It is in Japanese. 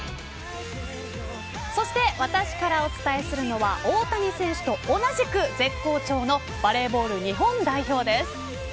そして私からお伝えするのは大谷選手と同じく絶好調のバレーボール日本代表です。